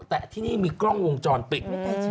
แต่ที่นี่มีกล้องวงจรปิด